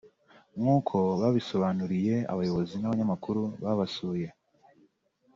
nk’uko babisobanuriye abayobozi n’abanyamakuru babasuye